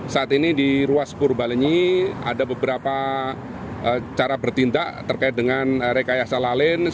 saat ini di ruas purbalenyi ada beberapa cara bertindak terkait dengan rekayasa lalin